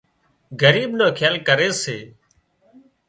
ڳريب نو کيال ڪري سي